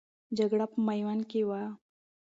جګړه په میوند کې وه.